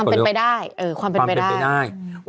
ความเป็นไปได้ความเป็นไปได้อืมจริงความเป็นไปได้